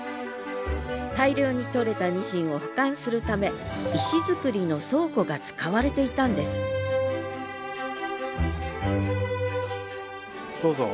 大量に取れたニシンを保管するため石造りの倉庫が使われていたんですどうぞ。